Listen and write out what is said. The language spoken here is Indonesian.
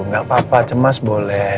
gak apa apa cemas boleh